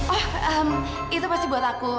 oh itu pasti buat aku